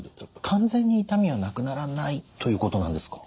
完全に痛みはなくならないということなんですか？